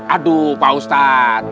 aduh pak ustadz